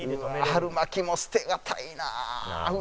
春巻きも捨てがたいなあ！